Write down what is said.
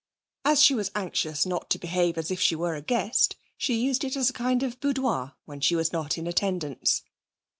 As she was anxious not to behave as if she were a guest, she used it as a kind of boudoir when she was not in attendance.